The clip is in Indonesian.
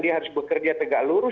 dia harus bekerja tegak lurus